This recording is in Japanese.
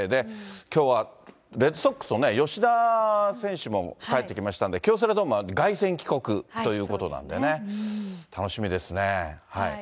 きょうはレッドソックスの吉田選手も帰ってきましたんで、京セラドームは凱旋帰国ということなんで、楽しみですね。